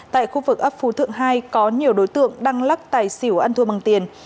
tại khu vực ấp phú thượng hai có nhiều đối tượng đang lắc tài xỉu ăn thua bằng tiền